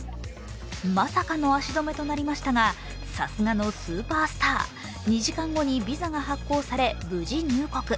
まさかの足止めとなりましたが、さすがのスーパースター、２時間後にビザが発行され、無事入国。